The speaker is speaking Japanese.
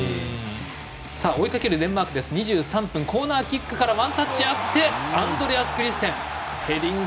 追いかけるデンマークは２３分コーナーキックからワンタッチあってアンドレアス・クリステンセン。